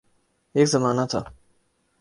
ایک زمانہ تھا۔